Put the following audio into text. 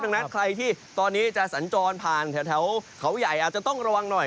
ดังนั้นใครที่ตอนนี้จะสัญจรผ่านแถวเขาใหญ่อาจจะต้องระวังหน่อย